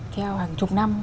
theo hàng chục năm